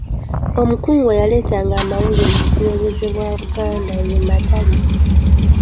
Omukungu eyaleetanga amawulire mu bukulembeze bwa Buganda ye Matalisi.